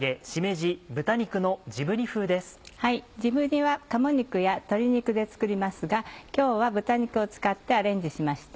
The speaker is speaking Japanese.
じぶ煮は鴨肉や鶏肉で作りますが今日は豚肉を使ってアレンジしました。